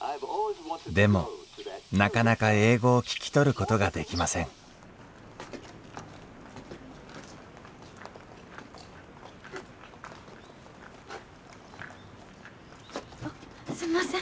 でもなかなか英語を聞き取ることができませんあっすんません。